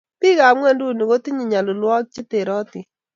Biik ab ngwenguni kutinyu nyolilwokik che terotin